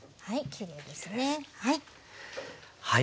きれいですね。